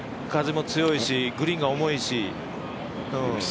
風も強いし、グリーンが重いし。